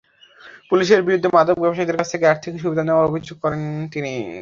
পুলিশের বিরুদ্ধে মাদক ব্যবসায়ীদের কাছ থেকে আর্থিক সুবিধা নেওয়ার অভিযোগও করেন তিনি।